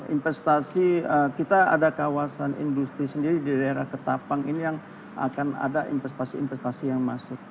investasi kita ada kawasan industri sendiri di daerah ketapang ini yang akan ada investasi investasi yang masuk